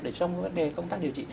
để trong vấn đề công tác điều trị